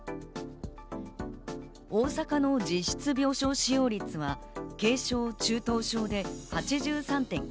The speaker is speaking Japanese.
大阪の実質病床使用率は、軽症・中等症で８３．９％。